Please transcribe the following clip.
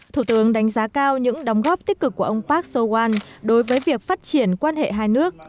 thủ tướng đánh giá cao những đóng góp tích cực của ông park sowan đối với việc phát triển quan hệ hai nước